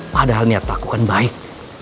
padahal niat aku kan baik